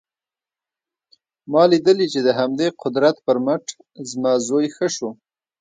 ما لیدلي چې د همدې قدرت پر مټ زما زوی ښه شو